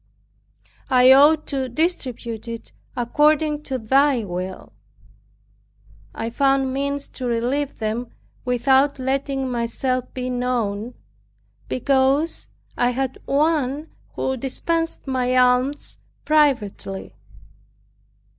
I ought to distribute it according to Thy will." I found means to relieve them without letting myself be known, because I had one who dispensed my alms privately.